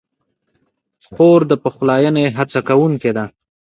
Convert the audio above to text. خور د پخلاینې هڅه کوونکې ده.